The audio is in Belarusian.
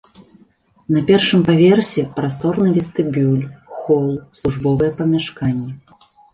На першым паверсе прасторны вестыбюль, хол, службовыя памяшканні.